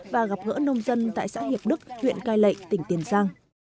và gặp gỡ nông dân tại xã hiệp đức huyện cai lệ tỉnh tiền giang